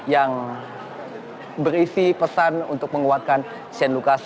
yang berisi pesan untuk menguatkan shane lucas